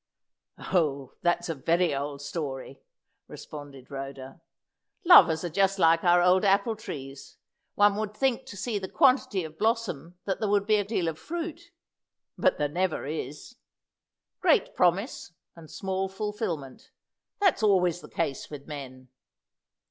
"Oh, that's a very old story," responded Rhoda. "Lovers are just like our old apple trees; one would think to see the quantity of blossom that there would be a deal of fruit; but there never is. Great promise and small fulfilment that's always the case with men."